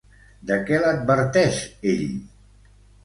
De què l'adverteix, ell?